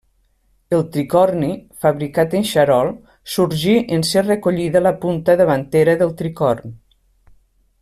El tricorni, fabricat en xarol, sorgí en ser recollida la punta davantera del tricorn.